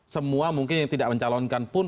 semua mungkin yang tidak mencalonkan pun